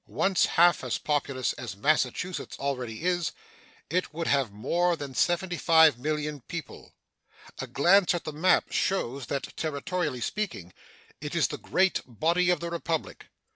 Once half as populous as Massachusetts already is, it would have more than 75,000,000 people. A glance at the map shows that, territorially speaking, it is the great body of the Republic.